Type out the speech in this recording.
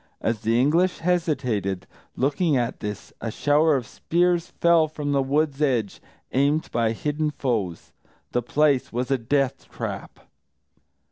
As the English hesitated, looking at this, a shower of spears fell from the wood's edge, aimed by hidden foes. The place was a death trap.